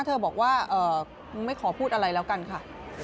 เธอบอกว่าไม่ขอพูดอะไรแล้วกันค่ะ